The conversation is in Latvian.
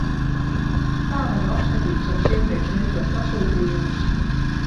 Kā varu apskatīt savus iepriekš veiktos pasūtījumus?